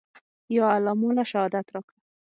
يا الله ما له شهادت راکه.